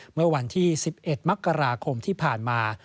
เมื่อวันที่๑๑มกราคมที่ผ่านมา